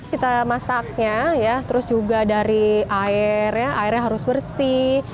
kita masaknya ya terus juga dari air airnya harus bersih